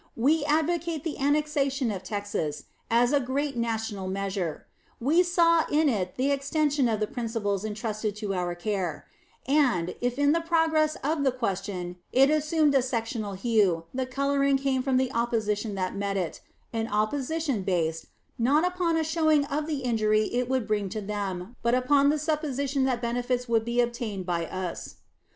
We advocated the annexation of Texas as a "great national measure"; we saw in it the extension of the principles intrusted to our care; and, if in the progress of the question it assumed a sectional hue, the coloring came from the opposition that it met an opposition based, not upon a showing of the injury it would bring to them, but upon the supposition that benefits would be obtained by us.